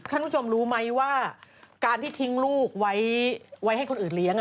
ท่านผู้ชมรู้ไหมว่าการที่ทิ้งลูกไว้ให้คนอื่นเลี้ยง